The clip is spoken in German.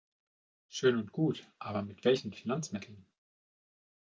Schön und gut, aber mit welchen Finanzmitteln?